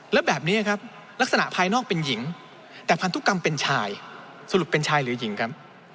แล้วแบบนี้ครับลักษณะภายนอกเป็นหญิงแต่พันธุกรรมเป็นชายสรุปเป็นชายหรือหญิงครับ